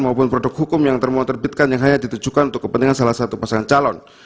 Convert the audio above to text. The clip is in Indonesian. maupun produk hukum yang termoh terbitkan yang hanya ditujukan untuk kepentingan salah satu pasangan calon